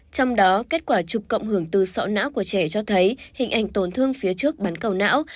trong đó kết quả chụp cộng hưởng từ sọ não của trẻ cho thấy hình ảnh tổn thương phía trước bắn cầu não